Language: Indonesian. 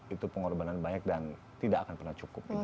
itu pengorbanan banyak dan tidak akan pernah cukup